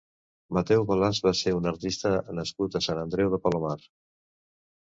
Mateu Balasch va ser un artista nascut a Sant Andreu de Palomar.